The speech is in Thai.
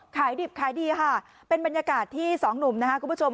ขายดิบขายดีค่ะเป็นบรรยากาศที่สองหนุ่มนะครับคุณผู้ชม